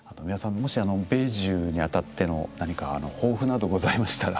もし米寿にあたっての何か抱負などございましたら。